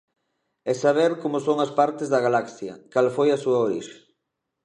E saber como son as partes da galaxia, cal foi a súa orixe.